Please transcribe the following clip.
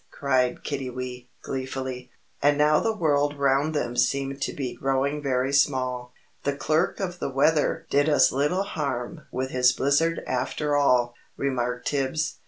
cried Kiddiwee, gleefully. And now the world round them seemed to be growing very small. "The Clerk of the Weather did us little harm with his blizzard after all," remarked Tibbs.